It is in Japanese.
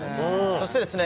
そしてですね